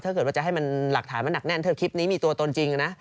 ถ้าเกิดว่าจะให้มันหลักฐานมันหนักแน่นถ้าคลิปนี้มีตัวตนจริงนะ